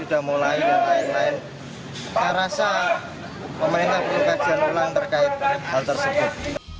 mulai dengan lain lain saya rasa pemerintah berimpeksian ulang terkait hal tersebut